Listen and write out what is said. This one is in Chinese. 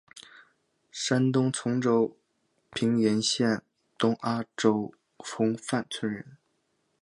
山东兖州平阴县东阿镇洪范村人。